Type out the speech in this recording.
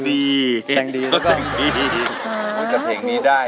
ก็เท่งนี้